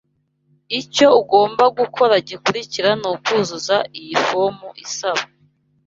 Icyo ugomba gukora gikurikira nukuzuza iyi fomu isaba.